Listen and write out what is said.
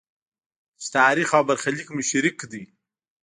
چې تاریخ او برخلیک مو شریک دی.